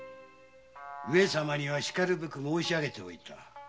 上様には然るべく申し上げておいた。